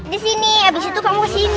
disini abis itu kamu sini